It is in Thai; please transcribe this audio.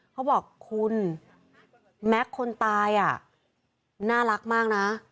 เขาบอกคุณแม็กซ์คนตายน่ารักมากนะ